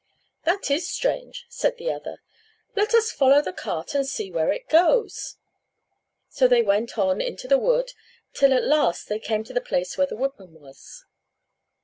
"That is strange," said the other; "let us follow the cart and see where it goes." So they went on into the wood, till at last they came to the place where the woodman was.